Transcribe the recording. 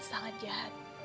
dan sangat jahat